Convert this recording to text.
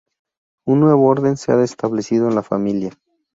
Un nuevo orden se ha establecido en la familia.